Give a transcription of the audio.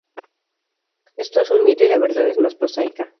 Esto es un mito y la verdad es más prosaica.